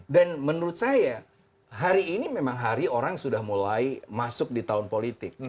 dan menurut saya hari ini memang hari orang sudah mulai masuk di tahun politik